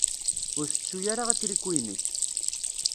Ur tettu ara atriku-inek.